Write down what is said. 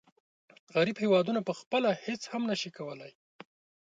غریب هېوادونه پخپله هیڅ هم نشي کولای.